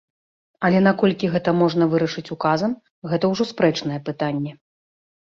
Але наколькі гэта можна вырашыць указам, гэта ўжо спрэчнае пытанне.